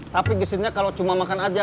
tapi gisinya kalau cuma makan aja